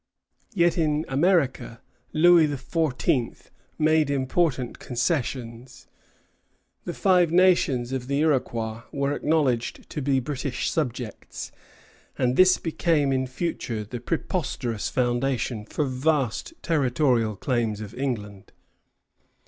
Yet in America Louis XIV. made important concessions. The Five Nations of the Iroquois were acknowledged to be British subjects; and this became in future the preposterous foundation for vast territorial claims of England.